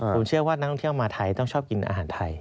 ผมเชื่อว่านักท่องเที่ยวมาไทยต้องชอบกินอาหารไทย